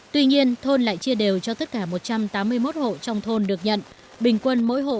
tuy nhiên thôn lại chia đều cho tất cả một trăm tám mươi sáu